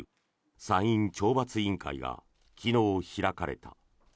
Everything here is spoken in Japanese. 参院懲罰委員会が昨日、開かれた。